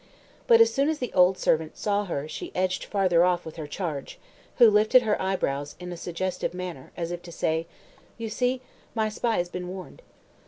But as soon as the old servant saw her she edged farther off with her charge, who lifted her eyebrows in a suggestive manner, as if to say, "You see, my spy has been warned."